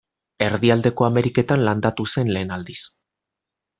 Erdialdeko Ameriketan landatu zen lehen aldiz.